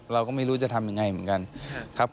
เราก็ไม่รู้จะทำยังไงเหมือนกันครับ